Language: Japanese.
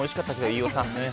飯尾さんの。